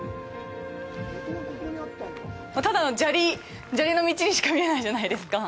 ただの砂利、砂利の道にしか見えないじゃないですか。